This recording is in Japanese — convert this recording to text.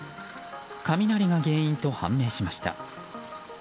雷が原因と判明しました。